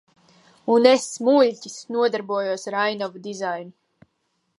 Un es, muļķis, nodarbojos ar ainavu dizainu.